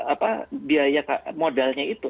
apa biaya modalnya itu